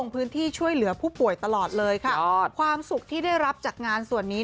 พื้นที่ช่วยเหลือผู้ป่วยตลอดเลยค่ะความสุขที่ได้รับจากงานส่วนนี้